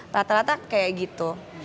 rata rata seperti itu